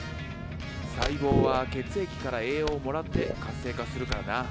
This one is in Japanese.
細胞は血液から栄養をもらって活性化するからな。